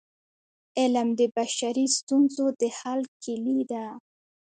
علم د بشري ستونزو د حل کيلي ده.